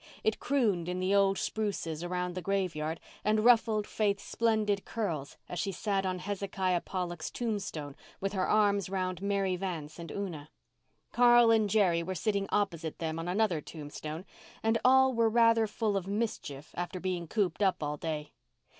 It crooned in the old spruces around the graveyard and ruffled Faith's splendid curls as she sat on Hezekiah Pollock's tombstone with her arms round Mary Vance and Una. Carl and Jerry were sitting opposite them on another tombstone and all were rather full of mischief after being cooped up all day.